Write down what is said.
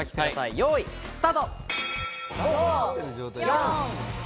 よい、スタート！